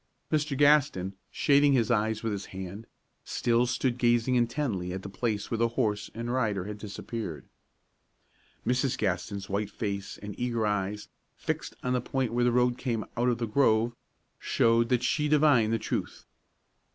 Mr. Gaston, shading his eyes with his hand, still stood gazing intently at the place where horse and rider had disappeared. Mrs. Gaston's white face and eager eyes, fixed on the point where the road came out of the grove, showed that she divined the truth.